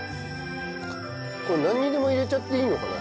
これ何にでも入れちゃっていいのかな？